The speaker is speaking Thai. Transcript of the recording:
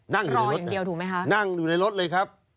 นั่งอยู่ในรถเลยครับ